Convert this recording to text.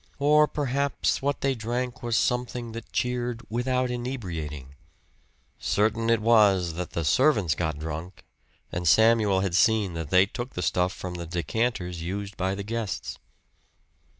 Or perhaps what they drank was something that cheered without inebriating! Certain it was that the servants got drunk; and Samuel had seen that they took the stuff from the decanters used by the guests.